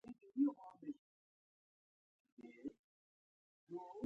د حمل پر شپاړلسمه افغان وطن په خپل اصلي شکل کې.